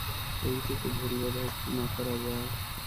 এইটুকু ভুল বোধহয় ক্ষমা করা যায়।